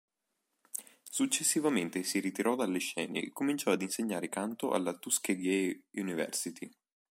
Successivamente si ritirò dalle scene e cominciò ad insegnare canto alla Tuskegee University.